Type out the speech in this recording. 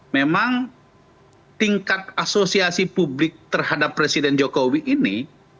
memang tingkat asosiasi publik terhadap presiden jokowi ini